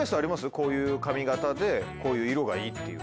こういう髪形でこういう色がいいっていう。